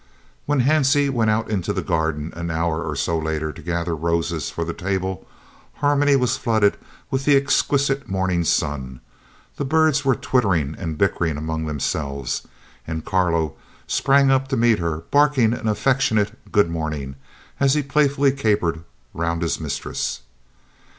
_When Hansie went out into the garden an hour or so later to gather roses for the table, Harmony was flooded with the exquisite morning sun, the birds were twittering and bickering among themselves, and Carlo sprang up to meet her, barking an affectionate "good morning," as he playfully capered round his mistress.